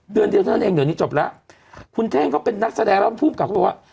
เดือนเดียวเท่านั้นเองเดี๋ยวนี้จบแล้วคุณเท่งเขาเป็นนักแสดงแล้วภูมิกับเขาบอกว่า